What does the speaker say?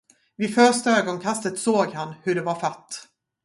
Vid första ögonkastet såg han, hur det var fatt.